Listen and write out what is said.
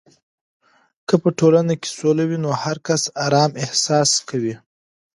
که په ټولنه کې سوله وي، نو هر کس آرام احساس کوي.